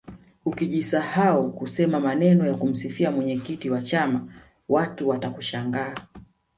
ukijisahau kusema maneno ya kumsifia mwenyekiti wa chama watu watakushangaa